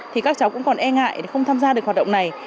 thì các cháu cũng còn e ngại để không tham gia được hoạt động này